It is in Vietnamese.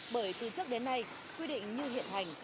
bởi từ trước đến nay quy định như hiện hành